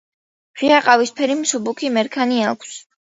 ღია ყავისფერი, მსუბუქი მერქანი აქვს.